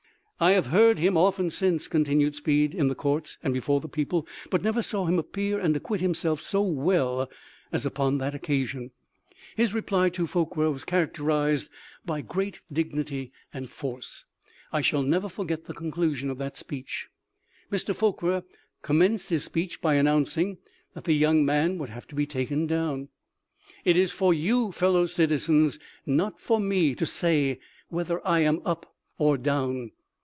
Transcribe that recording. " I have heard him often since," continued Speed, " in the courts and before the people, but never saw him appear and acquit himself so well as upon that occasion. His reply to Forquer was characterized 1^2 The lifs: of Lincoln. by great dignity and force. I shall never forget the conclusion of that speech :' Mr. Forquer com menced his speech by announcing that the young man would have to be taken down. It is for you, fellow citizens, not for me to say whether I am up or down.